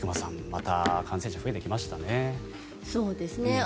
また感染者が増えてきましたね。